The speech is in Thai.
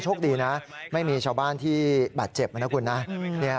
โชคดีนะไม่มีชาวบ้านที่บาดเจ็บนะคุณนะ